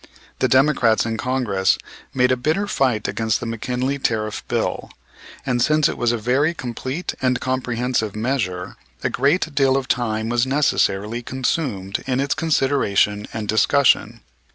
The Democrats in Congress made a bitter fight against the McKinley Tariff Bill, and, since it was a very complete and comprehensive measure, a great deal of time was necessarily consumed in its consideration and discussion.